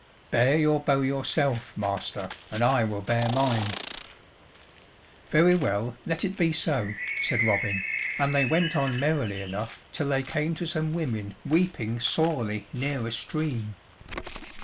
"Bear your bow yourself, master, and I will bear mine." "Very well, let it be so," said Robin, and they went on merrily enough till they came to some women weeping sorely near a stream.